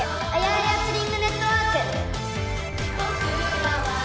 アヤ×２ツリングネットワーク！